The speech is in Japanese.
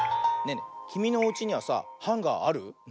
ねえねえきみのおうちにはさハンガーある？